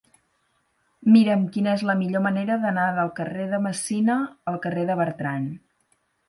Mira'm quina és la millor manera d'anar del carrer de Messina al carrer de Bertran.